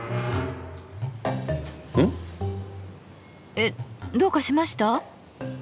えっどうかしました？